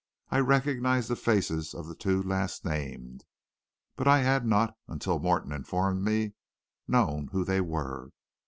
I recognized the faces of the two last named, but I had not, until Morton informed me, known who they were.